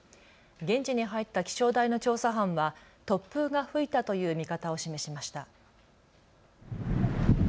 現地に入った気象台の調査班は突風が吹いたという見方を示しました。